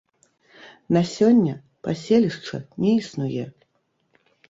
На сёння паселішча не існуе.